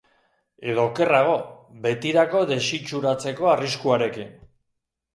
Edo okerrago, betirako desitxuratzeko arriskuarekin.